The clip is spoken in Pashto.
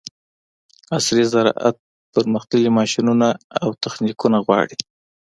عصري زراعت پرمختللي ماشینونه او تخنیکونه غواړي.